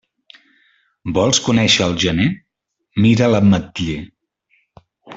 Vols conèixer el gener? Mira l'ametller.